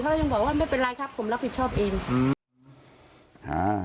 เขายังบอกว่าไม่เป็นไรครับผมรับผิดชอบเองอืมอ่า